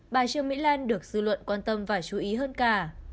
bà trương mỹ lan được dư luận quan tâm và chú ý hơn cả